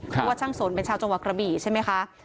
เพราะว่าช่างสนเป็นชาวจังหวัดกระบี่ใช่ไหมคะ